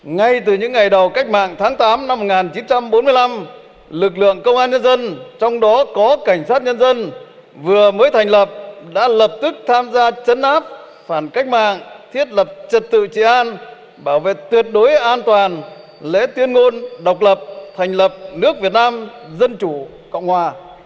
ngay từ những ngày đầu cách mạng tháng tám năm một nghìn chín trăm bốn mươi năm lực lượng công an nhân dân trong đó có cảnh sát nhân dân vừa mới thành lập đã lập tức tham gia chấn áp phản cách mạng thiết lập trật tự tri an bảo vệ tuyệt đối an toàn lễ tuyên ngôn độc lập thành lập nước việt nam dân chủ cộng hòa